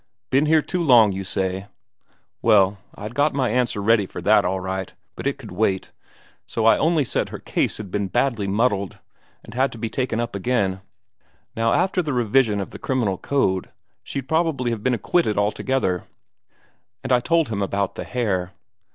Been here too long, you say?' Well, I'd got my answer ready for that all right, but it could wait, so I only said her case had been badly muddled, and had to be taken up again; now, after the revision of the criminal code, she'd probably have been acquitted altogether. And I told him about the hare.